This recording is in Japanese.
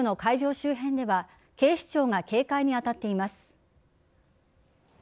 周辺では警視庁が警戒に当たっています。